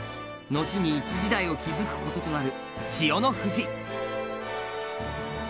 後に一時代を築くこととなる千代の富士。